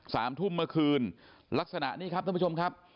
สามทุ่มเมื่อคืนลักษณะนี้ครับท่านผู้ชมครับ